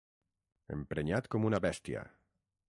Emprenyat com una bèstia.